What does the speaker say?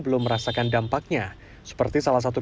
belum merasakan dampaknya seperti salah satu